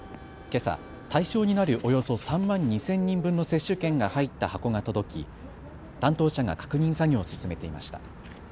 けさ、対象になるおよそ３万２０００人分の接種券が入った箱が届き、担当者が確認作業を進めていました。